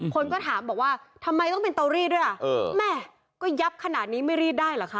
คนก็ถามบอกว่าทำไมต้องเป็นเตารีดด้วยอ่ะเออแม่ก็ยับขนาดนี้ไม่รีดได้เหรอคะ